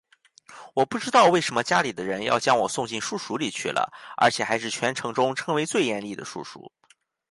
我不知道为什么家里的人要将我送进书塾里去了而且还是全城中称为最严厉的书塾